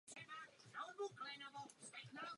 Obě se účastnily první světové války.